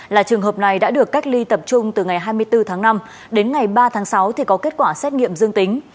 là trường hợp này đã được cách ly tập trung từ ngày hai mươi bốn tháng năm đến ngày ba tháng sáu thì có kết quả xét nghiệm dương tính